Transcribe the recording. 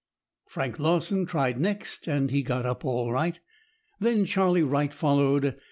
Frank Lawson tried next, and he got up all right. Then Charley Wright followed.